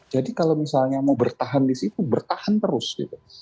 jadi kalau misalnya mau bertahan disitu bertahan terus gitu